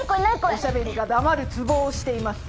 おしゃべりが黙るツボを押しています。